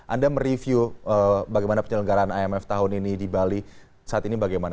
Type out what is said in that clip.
anda mereview bagaimana penyelenggaraan imf tahun ini di bali saat ini bagaimana